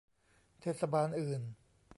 เทศบาลอื่น